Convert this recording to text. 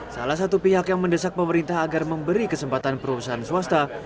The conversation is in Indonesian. salah satu pihak yang mendesak pemerintah agar memberi kesempatan perusahaan swasta